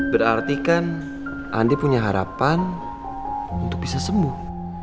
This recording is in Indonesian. berartikan andi punya harapan untuk bisa sembuh